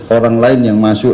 orang lain yang masuk